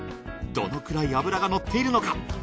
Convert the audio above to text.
どのくらい脂が乗っているのか？